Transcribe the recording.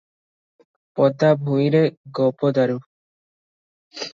'ପଦା ଭୂଇଁରେ ଗବଦାରୁ' ।